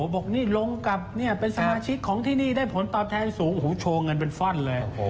บอกนี่ลงกับเป็นสมาชิกของที่นี่ได้ผลตอบแทนสูงโอ้โหโชว์เงินเป็นฟ่อนเลย